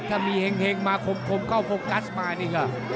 ถ้ามีเห็งมาคมเข้าโฟกัสมานี่ก็